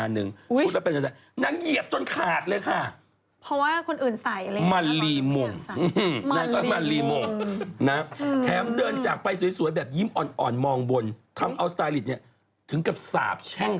นี่ต้องยอมนางนางเลิศจริง